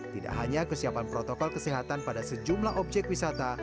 tidak hanya kesiapan protokol kesehatan pada sejumlah objek wisata